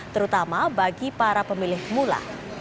terutama bagi para pemilih pemula